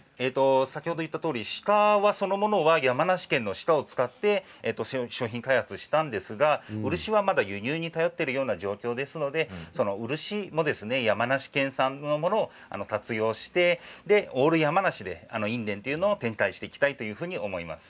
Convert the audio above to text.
先ほど言ったとおり鹿そのものは山梨県の鹿を使って商品開発したんですが漆は、まだ輸入に頼っているような状況ですので漆も山梨県産のものを活用してオール山梨で印伝というものを展開していきたいと思います。